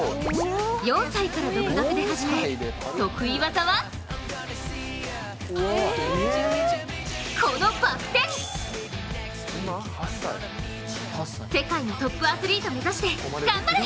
４歳から独学で始め、得意技はこのバク転、世界のトップアスリートを目指して頑張れ。